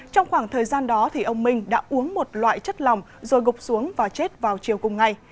trong khoảng thời gian đó ông minh đã uống một loại chất lòng rồi gục xuống và chết vào chiều cùng ngày